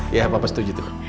iya papa setuju tuh